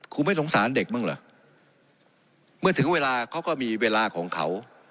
คุณไม่สงสารเด็กบ้างเหรอเมื่อถึงเวลาเขาก็มีเวลาของเขา